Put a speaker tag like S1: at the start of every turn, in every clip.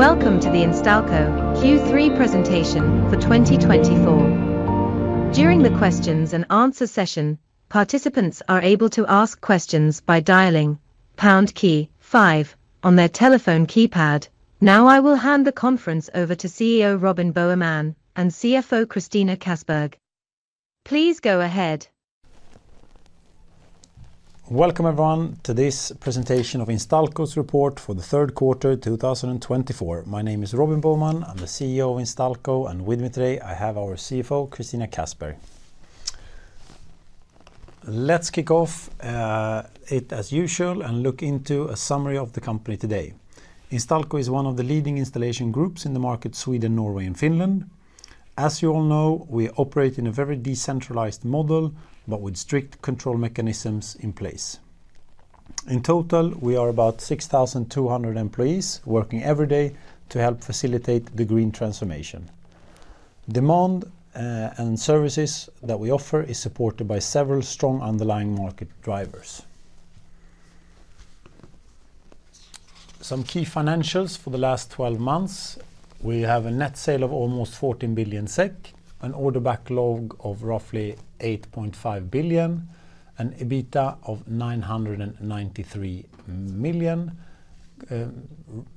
S1: Welcome to the Instalco Q3 presentation for 2024. During the questions and answer session, participants are able to ask questions by dialing pound key five on their telephone keypad. Now, I will hand the conference over to CEO, Robin Boheman, and CFO, Christina Kassberg. Please go ahead.
S2: Welcome, everyone, to this presentation of Instalco's report for the third quarter, two thousand and twenty-four. My name is Robin Boheman. I'm the CEO of Instalco, and with me today, I have our CFO, Christina Kassberg. Let's kick off it as usual, and look into a summary of the company today. Instalco is one of the leading installation groups in the market, Sweden, Norway, and Finland. As you all know, we operate in a very decentralized model, but with strict control mechanisms in place. In total, we are about 6,200 employees working every day to help facilitate the green transformation. Demand and services that we offer is supported by several strong underlying market drivers. Some key financials for the last twelve months: we have net sales of almost 14 billion SEK, an order backlog of roughly 8.5 billion, an EBITA of 993 million,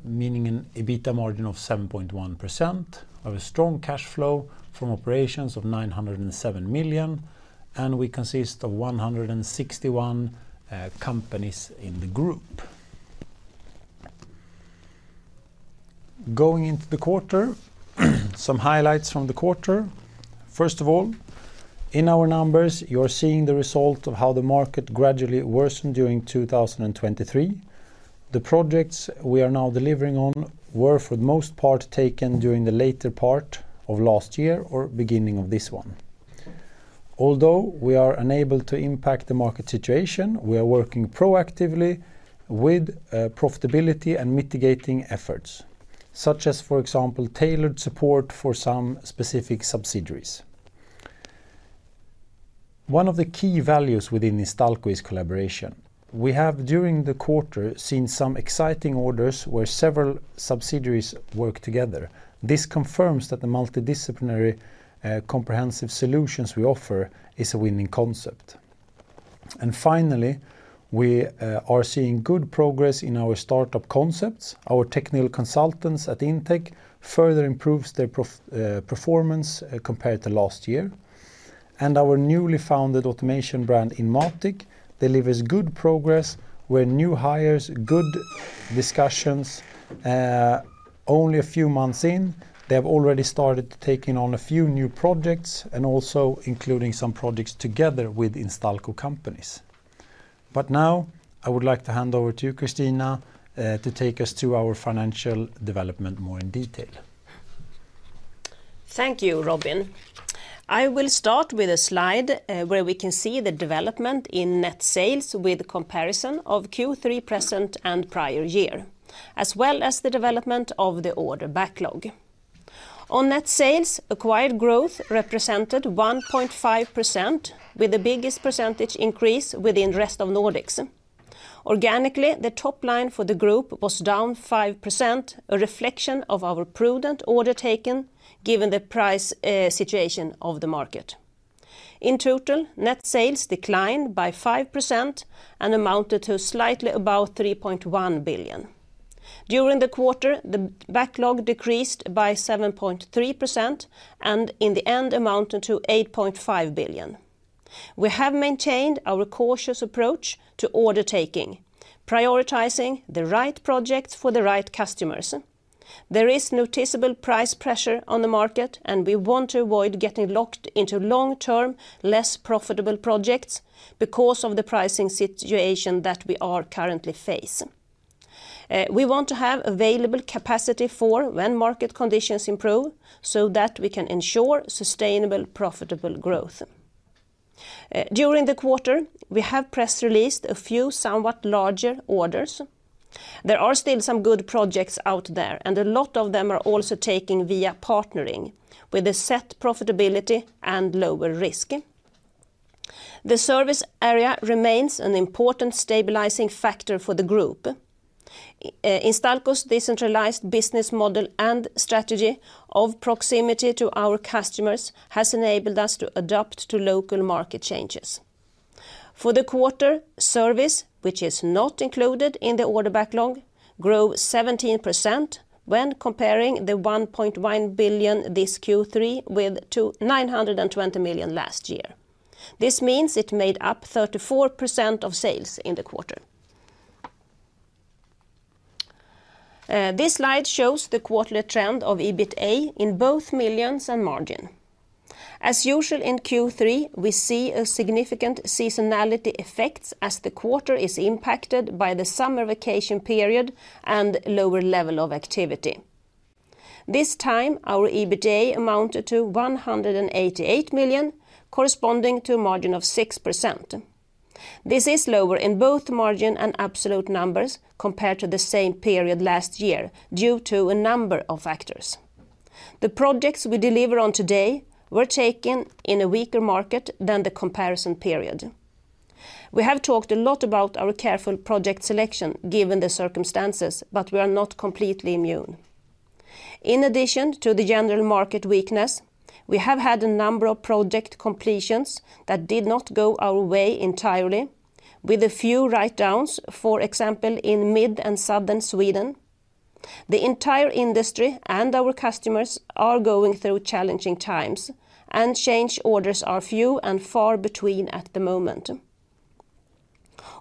S2: meaning an EBITA margin of 7.1%, of a strong cash flow from operations of 907 million, and we consist of 161 companies in the group. Going into the quarter, some highlights from the quarter. First of all, in our numbers, you are seeing the result of how the market gradually worsened during 2023. The projects we are now delivering on were, for the most part, taken during the later part of last year or beginning of this one. Although we are unable to impact the market situation, we are working proactively with profitability and mitigating efforts, such as, for example, tailored support for some specific subsidiaries. One of the key values within Instalco is collaboration. We have, during the quarter, seen some exciting orders where several subsidiaries work together. This confirms that the multidisciplinary comprehensive solutions we offer is a winning concept. And finally, we are seeing good progress in our startup concepts. Our technical consultants at Intec further improves their profit performance compared to last year. And our newly founded automation brand, Inmatic, delivers good progress where new hires, good discussions, only a few months in, they have already started taking on a few new projects and also including some projects together with Instalco companies. But now, I would like to hand over to you, Christina, to take us to our financial development more in detail.
S3: Thank you, Robin. I will start with a slide where we can see the development in net sales with comparison of Q3 present and prior year, as well as the development of the order backlog. On net sales, acquired growth represented 1.5%, with the biggest percentage increase within rest of Nordics. Organically, the top line for the group was down 5%, a reflection of our prudent order taken, given the price situation of the market. In total, net sales declined by 5% and amounted to slightly about 3.1 billion. During the quarter, the backlog decreased by 7.3%, and in the end, amounted to 8.5 billion. We have maintained our cautious approach to order taking, prioritizing the right projects for the right customers. There is noticeable price pressure on the market, and we want to avoid getting locked into long-term, less profitable projects because of the pricing situation that we are currently facing. We want to have available capacity for when market conditions improve, so that we can ensure sustainable, profitable growth. During the quarter, we have press released a few somewhat larger orders. There are still some good projects out there, and a lot of them are also taking via partnering with a set profitability and lower risk. The service area remains an important stabilizing factor for the group. Instalco's decentralized business model and strategy of proximity to our customers has enabled us to adapt to local market changes. For the quarter, service, which is not included in the order backlog, grew 17% when comparing 1.1 billion this Q3 with to 920 million last year. This means it made up 34% of sales in the quarter. This slide shows the quarterly trend of EBITA in both millions and margin. As usual, in Q3, we see a significant seasonality effects as the quarter is impacted by the summer vacation period and lower level of activity. This time, our EBITA amounted to 188 million, corresponding to a margin of 6%. This is lower in both margin and absolute numbers compared to the same period last year, due to a number of factors. The projects we deliver on today were taken in a weaker market than the comparison period. We have talked a lot about our careful project selection, given the circumstances, but we are not completely immune. In addition to the general market weakness, we have had a number of project completions that did not go our way entirely, with a few write-downs, for example, in mid and southern Sweden. The entire industry and our customers are going through challenging times, and change orders are few and far between at the moment.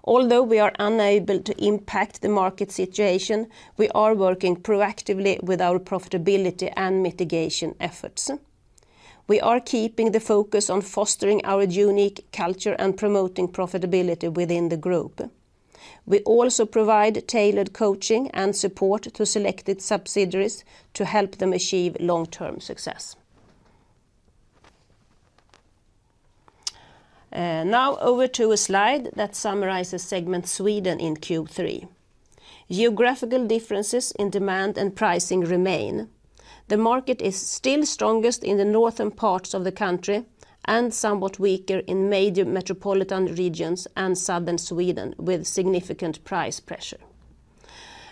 S3: Although we are unable to impact the market situation, we are working proactively with our profitability and mitigation efforts. We are keeping the focus on fostering our unique culture and promoting profitability within the group. We also provide tailored coaching and support to selected subsidiaries to help them achieve long-term success. Now over to a slide that summarizes segment Sweden in Q3. Geographical differences in demand and pricing remain. The market is still strongest in the northern parts of the country and somewhat weaker in major metropolitan regions and southern Sweden, with significant price pressure.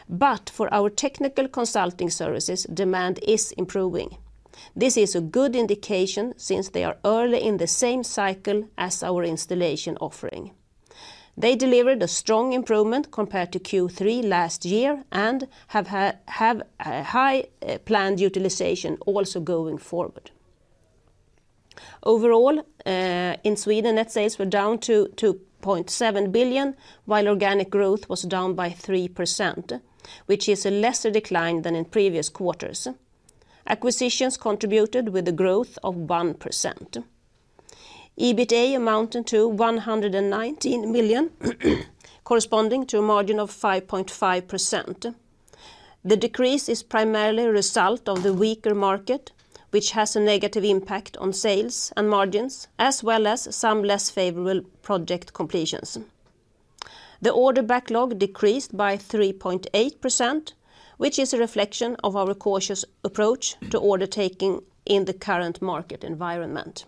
S3: But for our technical consulting services, demand is improving. This is a good indication since they are early in the same cycle as our installation offering. They delivered a strong improvement compared to Q3 last year and have a high planned utilization also going forward. Overall, in Sweden, net sales were down to 2.7 billion, while organic growth was down by 3%, which is a lesser decline than in previous quarters. Acquisitions contributed with a growth of 1%. EBITA amounted to 119 million, corresponding to a margin of 5.5%. The decrease is primarily a result of the weaker market, which has a negative impact on sales and margins, as well as some less favorable project completions. The order backlog decreased by 3.8%, which is a reflection of our cautious approach to order taking in the current market environment,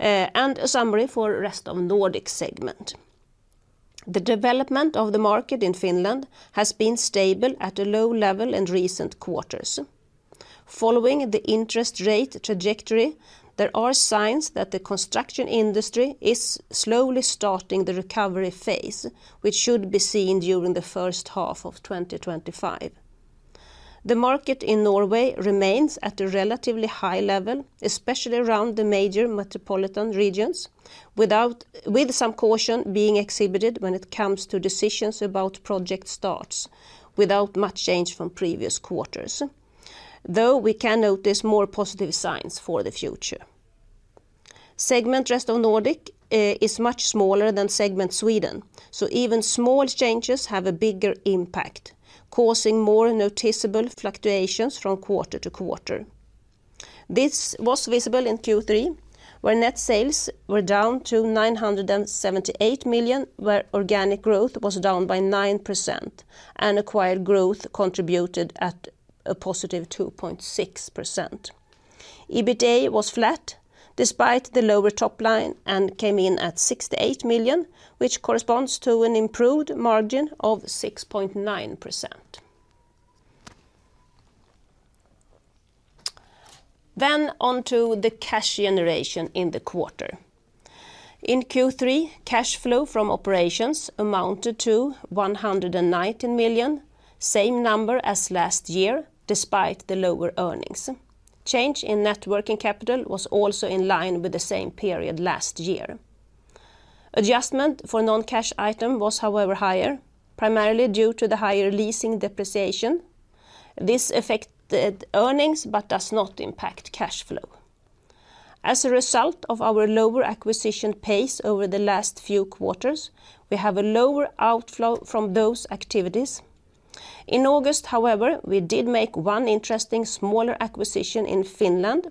S3: and a summary for rest of Nordic segment. The development of the market in Finland has been stable at a low level in recent quarters. Following the interest rate trajectory, there are signs that the construction industry is slowly starting the recovery phase, which should be seen during the first half of 2025. The market in Norway remains at a relatively high level, especially around the major metropolitan regions, with some caution being exhibited when it comes to decisions about project starts, without much change from previous quarters, though we can notice more positive signs for the future. Segment rest of Nordic is much smaller than segment Sweden, so even small changes have a bigger impact, causing more noticeable fluctuations from quarter to quarter. This was visible in Q3, where net sales were down to 978 million, where organic growth was down by 9%, and acquired growth contributed at a positive 2.6%. EBITA was flat despite the lower top line and came in at 68 million, which corresponds to an improved margin of 6.9%. Then on to the cash generation in the quarter. In Q3, cash flow from operations amounted to 119 million, same number as last year, despite the lower earnings. Change in net working capital was also in line with the same period last year. Adjustment for non-cash item was, however, higher, primarily due to the higher leasing depreciation. This affected earnings, but does not impact cash flow. As a result of our lower acquisition pace over the last few quarters, we have a lower outflow from those activities. In August, however, we did make one interesting smaller acquisition in Finland,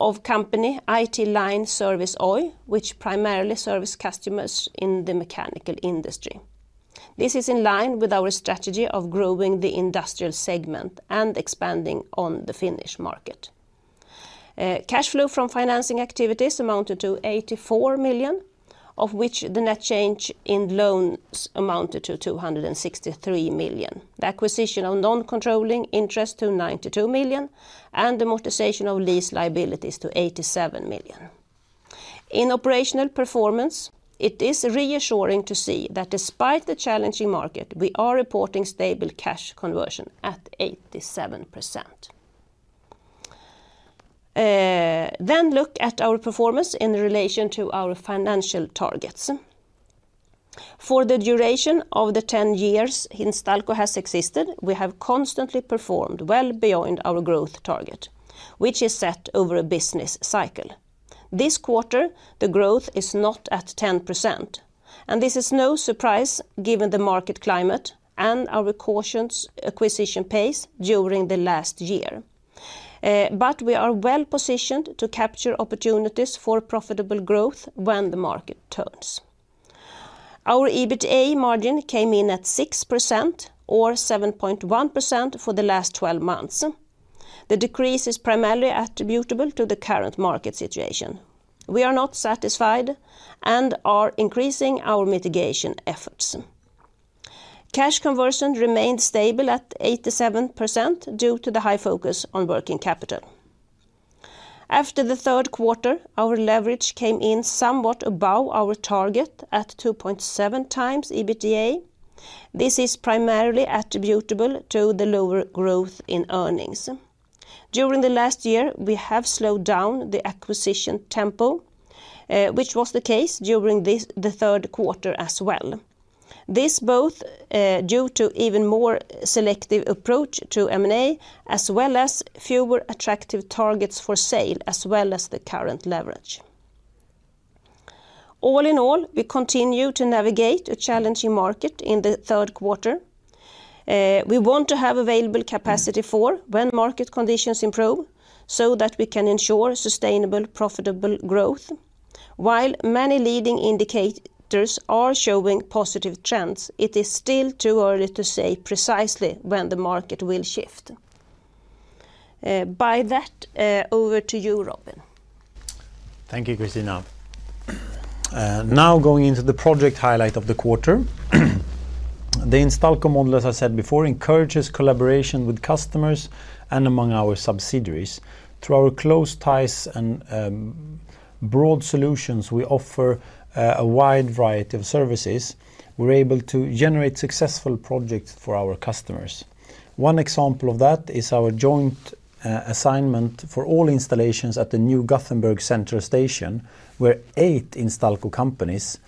S3: of company IT- Line Service Oy, which primarily services customers in the mechanical industry. This is in line with our strategy of growing the industrial segment and expanding on the Finnish market. Cash flow from financing activities amounted to 84 million, of which the net change in loans amounted to 263 million. The acquisition of non-controlling interest to 92 million, and amortization of lease liabilities to 87 million. In operational performance, it is reassuring to see that despite the challenging market, we are reporting stable cash conversion at 87%. Then look at our performance in relation to our financial targets. For the duration of the 10 years Instalco has existed, we have constantly performed well beyond our growth target, which is set over a business cycle. This quarter, the growth is not at 10%, and this is no surprise, given the market climate and our cautious acquisition pace during the last year. But we are well positioned to capture opportunities for profitable growth when the market turns. Our EBITDA margin came in at 6% or 7.1% for the last 12 months. The decrease is primarily attributable to the current market situation. We are not satisfied and are increasing our mitigation efforts. Cash conversion remained stable at 87% due to the high focus on working capital. After the third quarter, our leverage came in somewhat above our target at two point seven times EBITDA. This is primarily attributable to the lower growth in earnings. During the last year, we have slowed down the acquisition tempo, which was the case during this, the third quarter as well. This both, due to even more selective approach to M&A, as well as fewer attractive targets for sale, as well as the current leverage. All in all, we continue to navigate a challenging market in the third quarter. We want to have available capacity for when market conditions improve, so that we can ensure sustainable, profitable growth. While many leading indicators are showing positive trends, it is still too early to say precisely when the market will shift. With that, over to you, Robin.
S2: Thank you, Christina. Now going into the project highlight of the quarter. The Instalco model, as I said before, encourages collaboration with customers and among our subsidiaries. Through our close ties and broad solutions, we offer a wide variety of services. We're able to generate successful projects for our customers. One example of that is our joint assignment for all installations at the new Gothenburg Central Station, where eight Instalco companies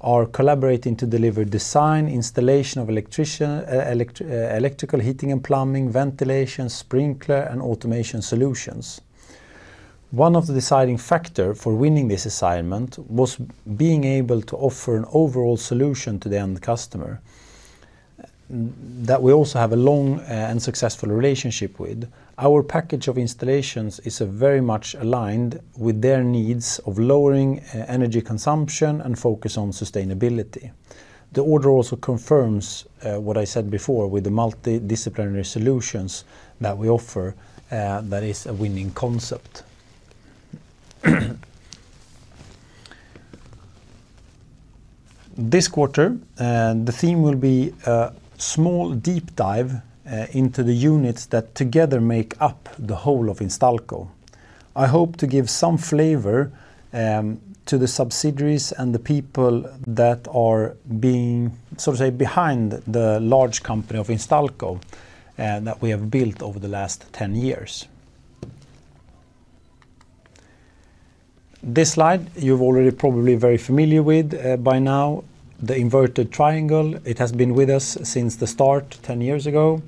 S2: are collaborating to deliver design, installation of electrical, heating and plumbing, ventilation, sprinkler, and automation solutions. One of the deciding factor for winning this assignment was being able to offer an overall solution to the end customer, that we also have a long and successful relationship with. Our package of installations is very much aligned with their needs of lowering energy consumption and focus on sustainability. The order also confirms what I said before with the multidisciplinary solutions that we offer, that is a winning concept. This quarter, the theme will be a small deep dive into the units that together make up the whole of Instalco. I hope to give some flavor to the subsidiaries and the people that are being, so to say, behind the large company of Instalco, that we have built over the last 10 years. This slide, you've already probably very familiar with, by now, the inverted triangle. It has been with us since the start, 10 years ago.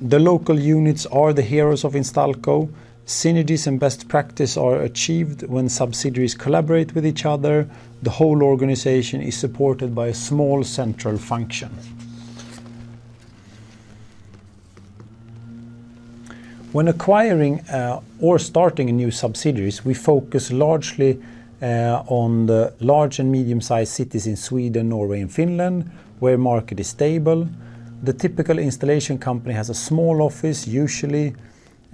S2: The local units are the heroes of Instalco. Synergies and best practice are achieved when subsidiaries collaborate with each other. The whole organization is supported by a small central function. When acquiring or starting a new subsidiaries, we focus largely on the large and medium-sized cities in Sweden, Norway, and Finland, where market is stable. The typical installation company has a small office, usually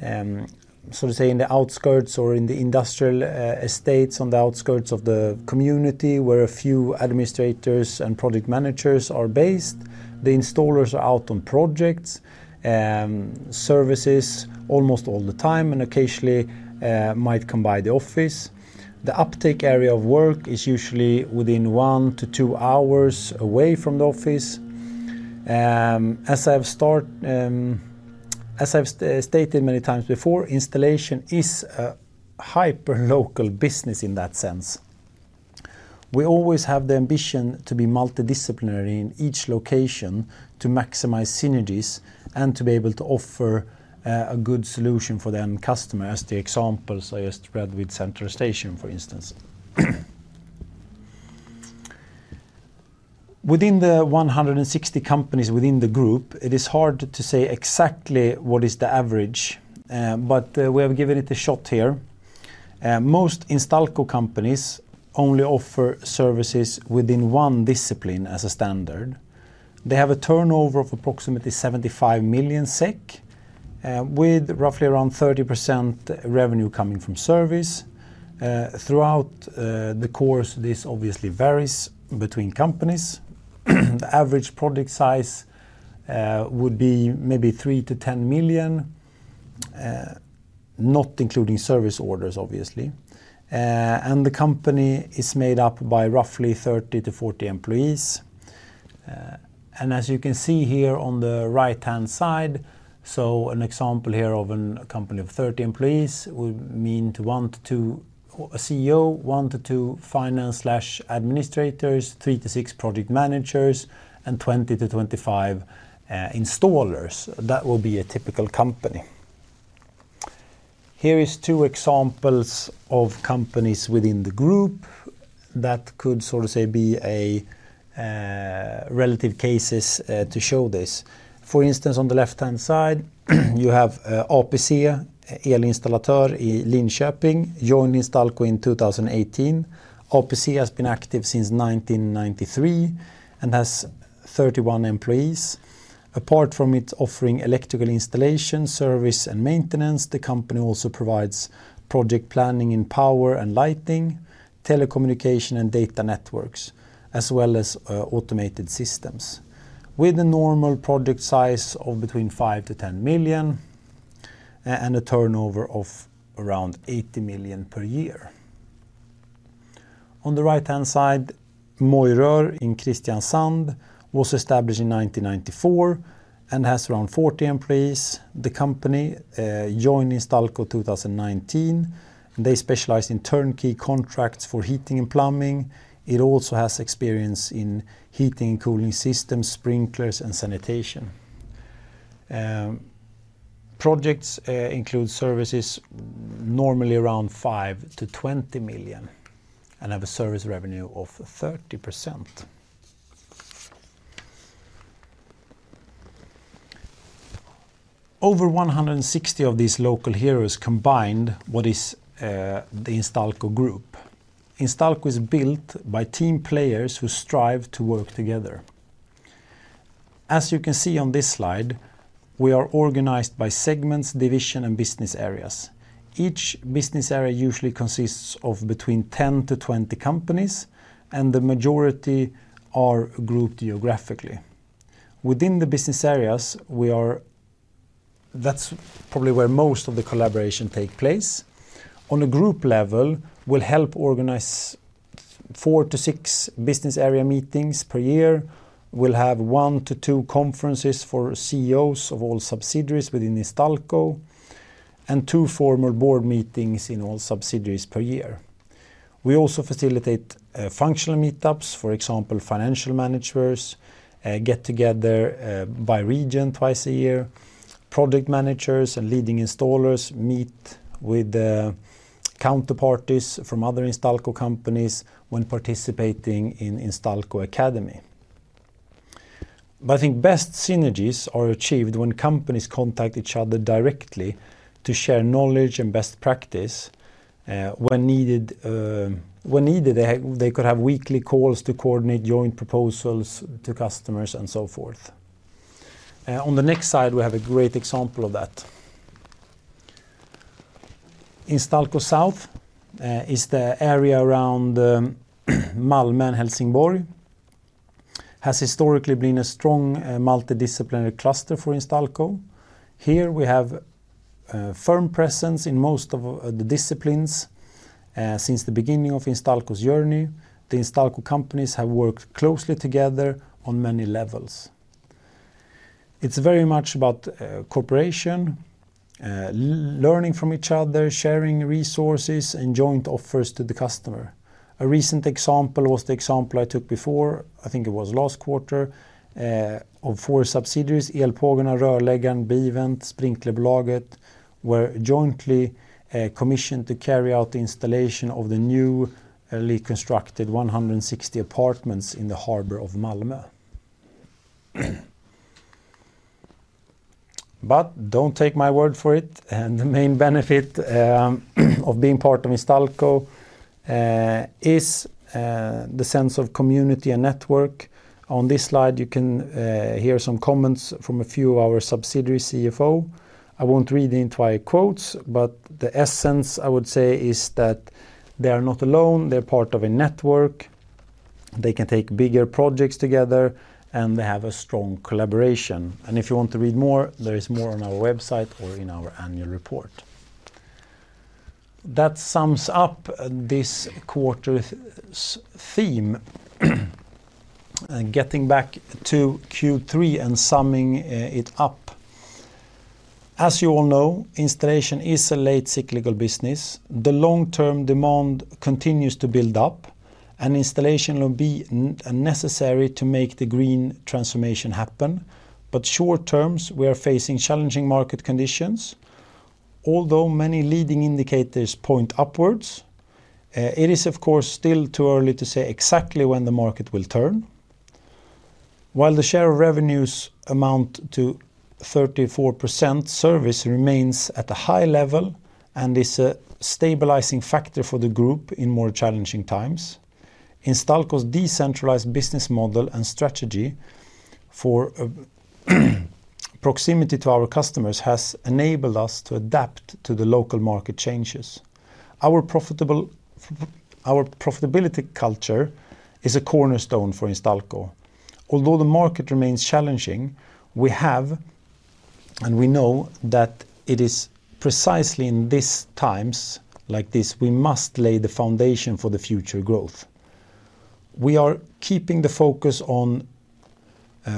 S2: so to say, in the outskirts or in the industrial estates on the outskirts of the community, where a few administrators and project managers are based. The installers are out on projects, services almost all the time, and occasionally might come by the office. The uptake area of work is usually within one to two hours away from the office. As I've stated many times before, installation is a hyperlocal business in that sense. We always have the ambition to be multidisciplinary in each location, to maximize synergies, and to be able to offer, a good solution for the end customer, as the examples I just read with Central Station, for instance. Within the 160 companies within the group, it is hard to say exactly what is the average, but, we have given it a shot here. Most Instalco companies only offer services within one discipline as a standard. They have a turnover of approximately 75 million SEK, with roughly around 30% revenue coming from service. Throughout, the course, this obviously varies between companies. The average project size, would be maybe 3-10 million, not including service orders, obviously. And the company is made up by roughly 30-40 employees. And as you can see here on the right-hand side, so an example here of a company of 30 employees would mean one to two: a CEO, one to two finance/administrators, three to six project managers, and 20 to 25 installers. That will be a typical company. Here is two examples of companies within the group that could, so to say, be relevant cases to show this. For instance, on the left-hand side, you have APC Elinstallatör i Linköping, joined Instalco in twenty eighteen. APC has been active since nineteen ninety-three and has 31 employees. Apart from it offering electrical installation, service, and maintenance, the company also provides project planning in power and lighting, telecommunication and data networks, as well as automated systems, with a normal project size of between 5-10 million and a turnover of around 80 million per year. On the right-hand side, Moi Rør in Kristiansand was established in 1994 and has around 40 employees. The company joined Instalco 2019, and they specialize in turnkey contracts for heating and plumbing. It also has experience in heating and cooling systems, sprinklers, and sanitation. Projects include services normally around 5-20 million and have a service revenue of 30%. Over 160 of these local heroes combined what is the Instalco Group. Instalco is built by team players who strive to work together. As you can see on this slide, we are organized by segments, division, and business areas. Each business area usually consists of between 10 to 20 companies, and the majority are grouped geographically. Within the business areas, that's probably where most of the collaboration take place. On a group level, we'll help organize four to six business area meetings per year. We'll have one to two conferences for CEOs of all subsidiaries within Instalco, and two formal board meetings in all subsidiaries per year. We also facilitate functional meetups. For example, financial managers get together by region twice a year. Project managers and leading installers meet with counterparties from other Instalco companies when participating in Instalco Academy. But I think best synergies are achieved when companies contact each other directly to share knowledge and best practice, when needed, they could have weekly calls to coordinate joint proposals to customers and so forth. On the next slide, we have a great example of that. Instalco South is the area around Malmö and Helsingborg, has historically been a strong multidisciplinary cluster for Instalco. Here we have firm presence in most of the disciplines. Since the beginning of Instalco's journey, the Instalco companies have worked closely together on many levels. It's very much about cooperation, learning from each other, sharing resources, and joint offers to the customer. A recent example was the example I took before. I think it was last quarter of four subsidiaries, Elpågarna, Rörlägget, Bi-Vent, Sprinklerbolaget, were jointly commissioned to carry out the installation of the newly constructed 160 apartments in the harbor of Malmö. Don't take my word for it. The main benefit of being part of Instalco is the sense of community and network. On this slide, you can hear some comments from a few of our subsidiary CFO. I won't read the entire quotes, but the essence I would say is that they are not alone. They're part of a network. They can take bigger projects together, and they have a strong collaboration. If you want to read more, there is more on our website or in our annual report. That sums up this quarter's theme. And getting back to Q3 and summing it up. As you all know, installation is a late cyclical business. The long-term demand continues to build up, and installation will be necessary to make the green transformation happen. But short terms, we are facing challenging market conditions. Although many leading indicators point upwards, it is, of course, still too early to say exactly when the market will turn. While the share of revenues amount to 34%, service remains at a high level and is a stabilizing factor for the group in more challenging times. Instalco's decentralized business model and strategy for proximity to our customers has enabled us to adapt to the local market changes. Our profitability culture is a cornerstone for Instalco. Although the market remains challenging, we have and we know that it is precisely in these times like this, we must lay the foundation for the future growth. We are keeping the focus on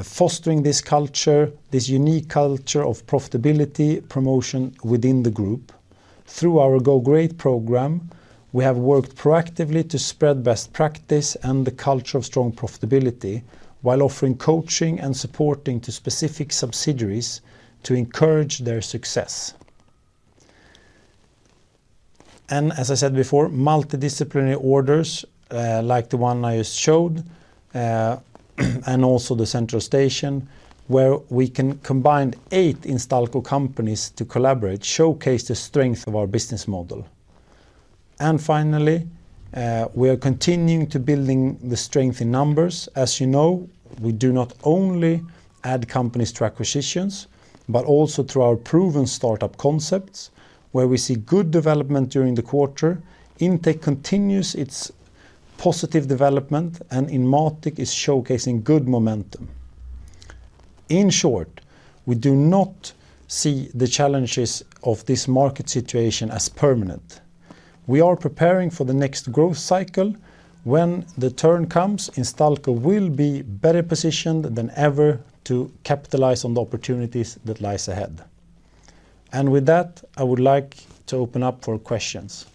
S2: fostering this culture, this unique culture of profitability promotion within the group. Through our Go Great program, we have worked proactively to spread best practice and the culture of strong profitability, while offering coaching and supporting to specific subsidiaries to encourage their success. And as I said before, multidisciplinary orders like the one I just showed and also the Central Station, where we can combine eight Instalco companies to collaborate, showcase the strength of our business model. And finally, we are continuing to building the strength in numbers. As you know, we do not only add companies through acquisitions, but also through our proven startup concepts, where we see good development during the quarter. Intec continues its positive development, and Inmatic is showcasing good momentum. In short, we do not see the challenges of this market situation as permanent. We are preparing for the next growth cycle. When the turn comes, Instalco will be better positioned than ever to capitalize on the opportunities that lies ahead. And with that, I would like to open up for questions.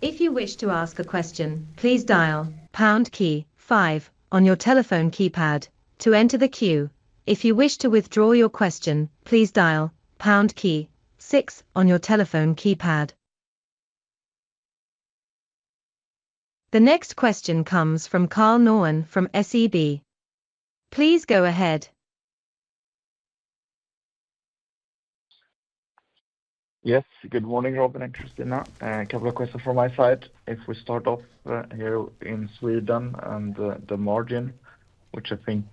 S1: If you wish to ask a question, please dial pound key five on your telephone keypad to enter the queue. If you wish to withdraw your question, please dial pound key six on your telephone keypad. The next question comes from Karl Norén from SEB. Please go ahead.
S4: Yes, good morning, Rob and Christina. A couple of questions from my side. If we start off here in Sweden and the margin, which I think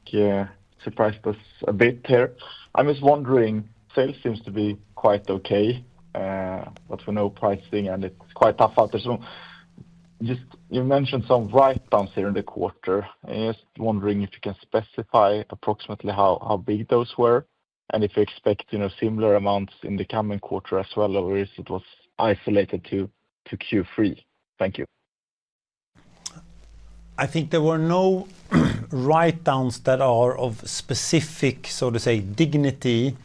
S4: surprised us a bit here. I was wondering, sales seems to be quite okay, but we know pricing, and it's quite tough out there. So just, you mentioned some write-downs here in the quarter. I was wondering if you can specify approximately how big those were, and if you expect, you know, similar amounts in the coming quarter as well, or is it was isolated to Q3? Thank you.
S2: I think there were no write-downs that are of specific, so to say, dignity.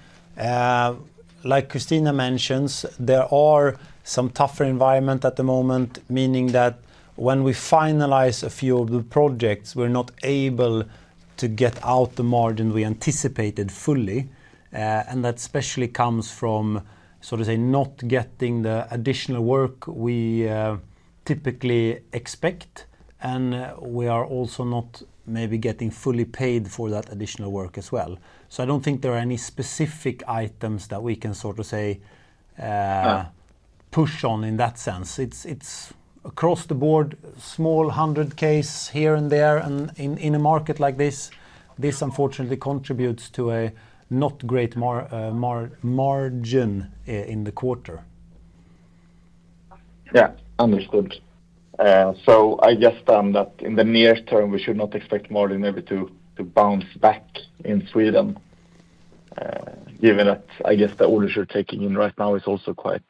S2: Like Christina mentions, there are some tougher environment at the moment, meaning that when we finalize a few of the projects, we're not able to get out the margin we anticipated fully, and that especially comes from, so to say, not getting the additional work we typically expect, and we are also not maybe getting fully paid for that additional work as well. So I don't think there are any specific items that we can sort of say.
S4: Ah...
S2: push on in that sense. It's, it's across the board, small hundred Ks here and there, and in a market like this, this unfortunately contributes to a not great margin in the quarter.
S4: Yeah. Understood. So I guess then that in the near term, we should not expect margin maybe to bounce back in Sweden, given that, I guess, the orders you're taking in right now is also quite,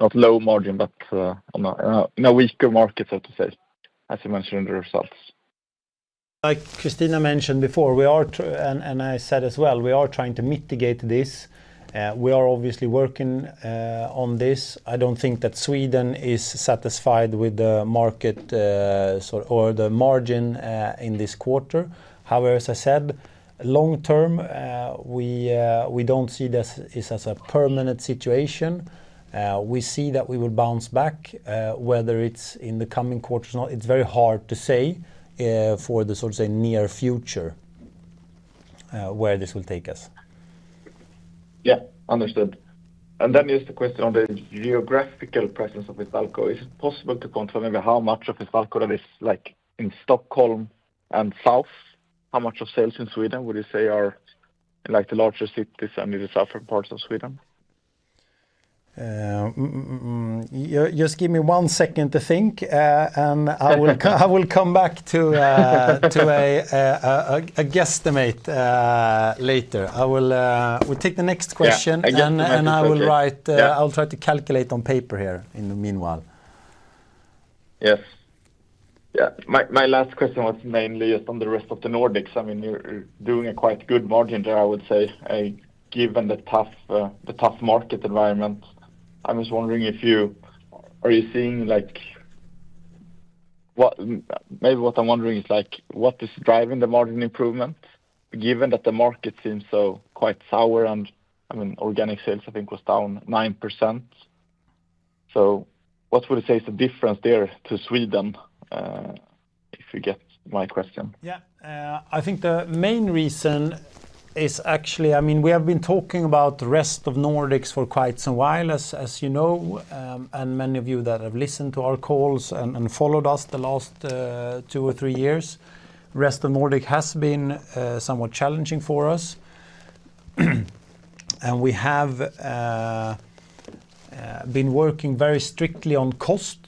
S4: not low margin, but, on a weaker market, so to say, as you mentioned in the results.
S2: Like Christina mentioned before, and I said as well, we are trying to mitigate this. We are obviously working on this. I don't think that Sweden is satisfied with the market, so or the margin in this quarter. However, as I said, long term, we don't see this as a permanent situation. We see that we will bounce back, whether it's in the coming quarters or not, it's very hard to say, for the so to say, near future, where this will take us.
S4: Yeah. Understood. And then there's the question on the geographical presence of Instalco. Is it possible to confirm maybe how much of Instalco that is, like, in Stockholm and south? How much of sales in Sweden would you say are, like, the largest cities and in the southern parts of Sweden?
S2: Just give me one second to think, and I will come back to a guesstimate later. We'll take the next question.
S4: Yeah.
S2: I will write-
S4: Yeah.
S2: I'll try to calculate on paper here in the meanwhile.
S4: Yes. Yeah, my last question was mainly on the rest of the Nordics. I mean, you're doing a quite good margin there, I would say, given the tough market environment. I was wondering if you are seeing, like, what maybe what I'm wondering is, like, what is driving the margin improvement, given that the market seems so quite sour, and, I mean, organic sales, I think, was down 9%. So what would you say is the difference there to Sweden, if you get my question?
S2: Yeah. I think the main reason is actually, I mean, we have been talking about the rest of Nordics for quite some while, as you know, and many of you that have listened to our calls and followed us the last two or three years. Rest of Nordic has been somewhat challenging for us. And we have been working very strictly on cost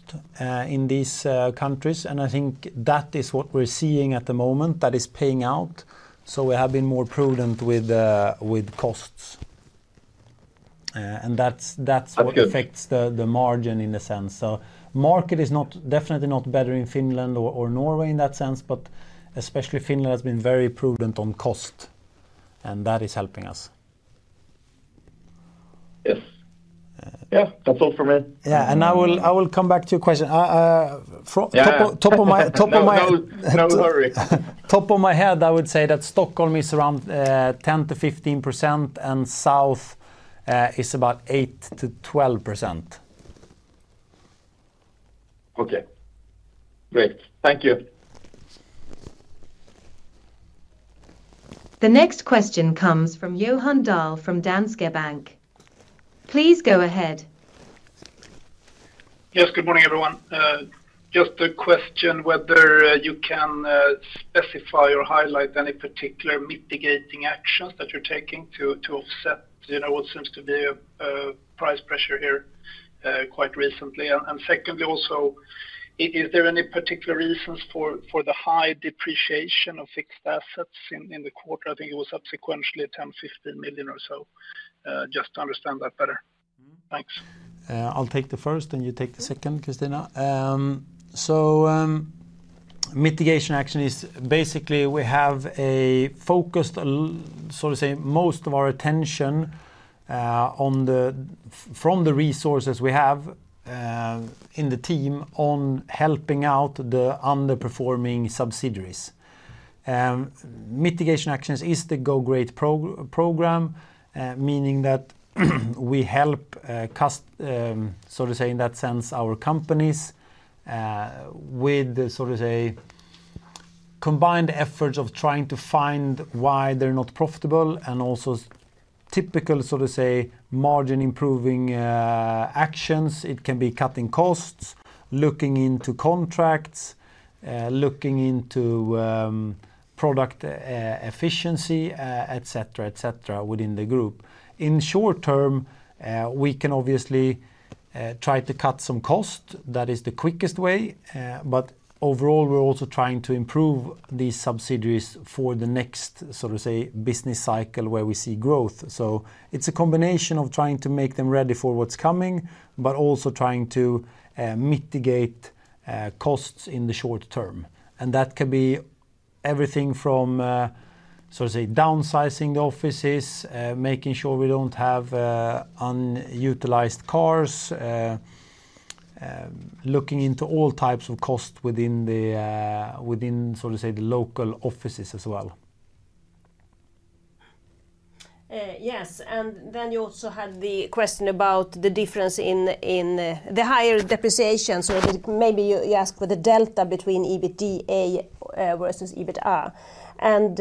S2: in these countries, and I think that is what we're seeing at the moment. That is paying out, so we have been more prudent with the costs. And that's.
S4: Okay...
S2: what affects the margin in a sense. So market is not definitely not better in Finland or Norway in that sense, but especially Finland has been very prudent on cost, and that is helping us.
S4: Yes....
S5: Yeah, that's all from me.
S2: Yeah, and I will come back to your question.
S5: Yeah.
S2: Top of, top of my, top of my-
S5: No, no, no worry.
S2: top of my head, I would say that Stockholm is around 10%-15%, and south is about 8%-12%.
S5: Okay. Great. Thank you.
S1: The next question comes from Johan Dahl from Danske Bank. Please go ahead.
S6: Yes, good morning, everyone. Just a question whether you can specify or highlight any particular mitigating actions that you're taking to offset, you know, what seems to be a price pressure here quite recently? And secondly, also, is there any particular reasons for the high depreciation of fixed assets in the quarter? I think it was subsequently 10-15 million SEK or so, just to understand that better. Thanks.
S2: I'll take the first, and you take the second, Christina. So, mitigation action is basically, we have a focused, so to say, most of our attention from the resources we have in the team on helping out the underperforming subsidiaries. Mitigation actions is the Go Great program, meaning that we help, so to say, in that sense, our companies with the, so to say, combined efforts of trying to find why they're not profitable, and also typical, so to say, margin-improving actions. It can be cutting costs, looking into contracts, looking into product efficiency, et cetera, within the group. In short term, we can obviously try to cut some cost. That is the quickest way, but overall, we're also trying to improve these subsidiaries for the next, so to say, business cycle, where we see growth. So it's a combination of trying to make them ready for what's coming, but also trying to mitigate costs in the short term. And that can be everything from, so to say, downsizing the offices, making sure we don't have unutilized cars, looking into all types of costs within the so to say, the local offices as well.
S3: Yes, and then you also had the question about the difference in the higher depreciation. So maybe you ask for the delta between EBITDA versus EBITDA. And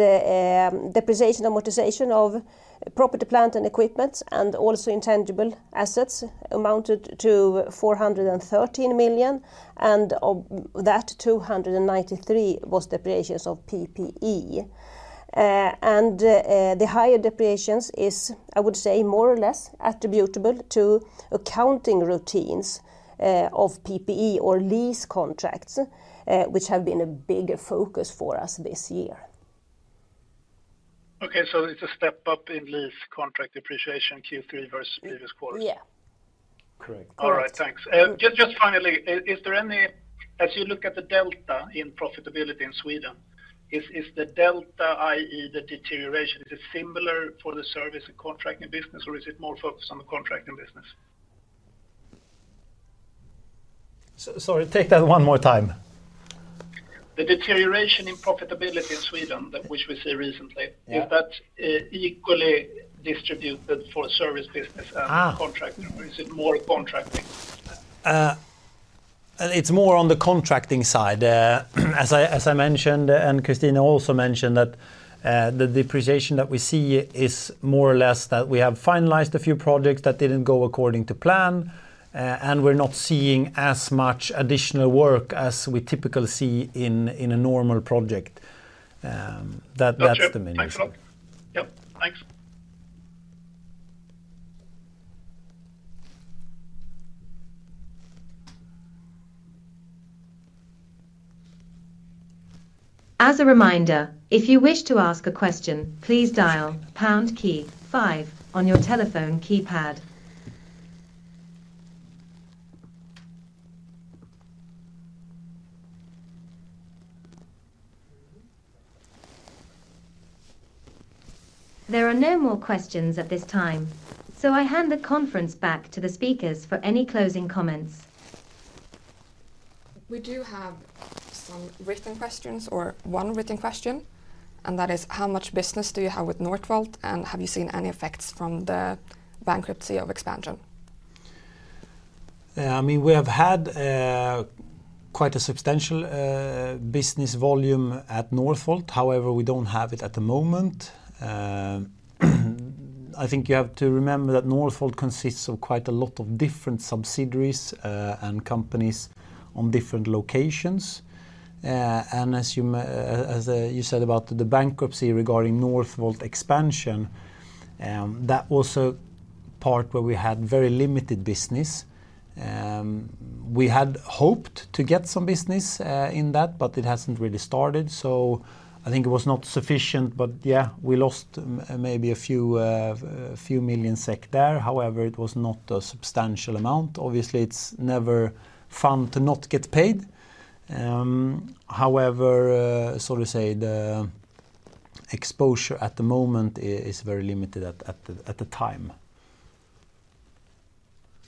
S3: depreciation, amortization of property, plant, and equipment, and also intangible assets amounted to 413 million, and of that, 293 was depreciations of PPE. And the higher depreciations is, I would say, more or less attributable to accounting routines of PPE or lease contracts, which have been a bigger focus for us this year.
S6: Okay, so it's a step up in lease contract depreciation, Q3 versus previous quarter?
S3: Yeah.
S2: Correct.
S3: Correct.
S6: All right, thanks. Just finally, is there any... As you look at the delta in profitability in Sweden, is the delta, i.e., the deterioration, is it similar for the service and contracting business, or is it more focused on the contracting business?
S2: Sorry, take that one more time.
S6: The deterioration in profitability in Sweden, that which we see recently-
S2: Yeah...
S6: is that, equally distributed for service business-
S2: Ah...
S6: and contracting, or is it more contracting?
S2: It's more on the contracting side. As I mentioned, and Christina also mentioned, that the depreciation that we see is more or less that we have finalized a few projects that didn't go according to plan, and we're not seeing as much additional work as we typically see in a normal project. That-
S6: Got you...
S2: that's the main issue.
S6: Thanks a lot. Yep, thanks.
S1: As a reminder, if you wish to ask a question, please dial pound key five on your telephone keypad. There are no more questions at this time, so I hand the conference back to the speakers for any closing comments. We do have some written questions or one written question, and that is: How much business do you have with Northvolt, and have you seen any effects from the bankruptcy of Northvolt Expansion?
S2: I mean, we have had quite a substantial business volume at Northvolt. However, we don't have it at the moment. I think you have to remember that Northvolt consists of quite a lot of different subsidiaries and companies on different locations. And as you said about the bankruptcy regarding Northvolt expansion, that was a part where we had very limited business. We had hoped to get some business in that, but it hasn't really started, so I think it was not sufficient. But yeah, we lost maybe a few million SEK there. However, it was not a substantial amount. Obviously, it's never fun to not get paid. However, so to say, exposure at the moment is very limited at the time.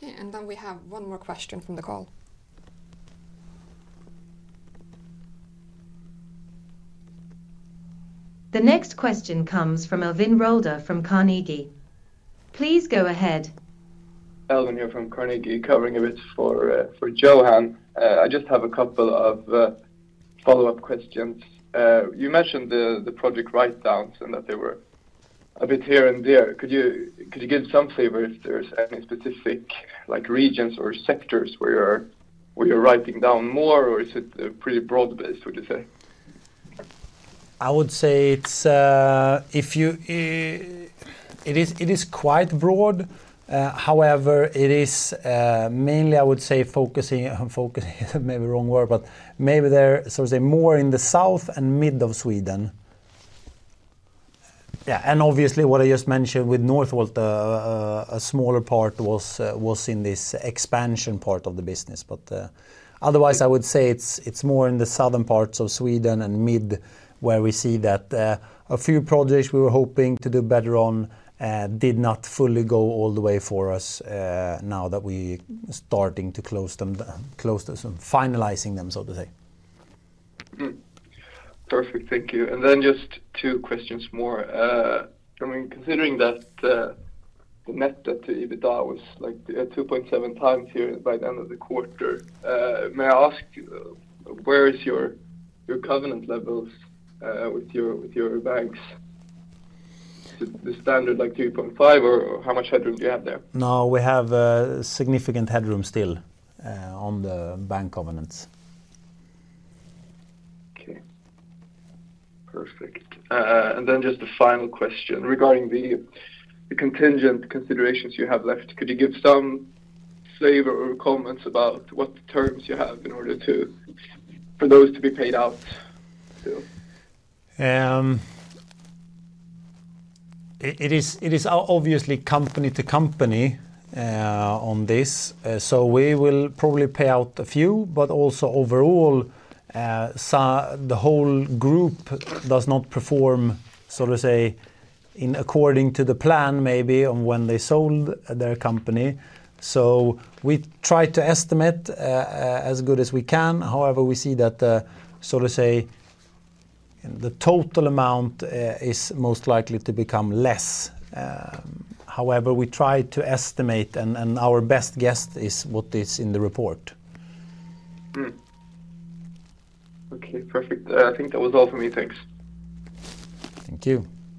S2: Okay, and then we have one more question from the call.
S1: The next question comes from Albin Sandberg, from Carnegie. Please go ahead.
S5: Elvin here from Carnegie, covering a bit for Johan. I just have a couple of follow-up questions. You mentioned the project write-downs, and that they were a bit here and there. Could you give some flavor if there's any specific, like, regions or sectors where you're writing down more, or is it pretty broad-based, would you say?
S2: I would say it's, if you... It is, it is quite broad. However, it is mainly, I would say, focusing, focusing, maybe wrong word, but maybe there, so to say, more in the south and mid of Sweden. Yeah, and obviously, what I just mentioned with Northvolt, a smaller part was, was in this expansion part of the business. But, otherwise, I would say it's, it's more in the southern parts of Sweden and mid, where we see that, a few projects we were hoping to do better on, did not fully go all the way for us, now that we starting to close them down, close this and finalizing them, so to say.
S5: Perfect. Thank you. And then just two questions more. I mean, considering that, the net debt to EBITDA was, like, 2.7 times here by the end of the quarter, may I ask, where is your covenant levels with your banks? Is it the standard, like 2.5, or how much headroom do you have there?
S2: No, we have significant headroom still on the bank covenants.
S5: Okay. Perfect. And then just a final question regarding the contingent considerations you have left. Could you give some flavor or comments about what terms you have in order for those to be paid out to?
S2: It is obviously company to company on this. So we will probably pay out a few, but also overall, so the whole group does not perform, so to say, according to the plan, maybe, on when they sold their company. So we try to estimate as good as we can. However, we see that, so to say, the total amount is most likely to become less. However, we try to estimate, and our best guess is what is in the report.
S5: Okay, perfect. I think that was all for me. Thanks.
S2: Thank you.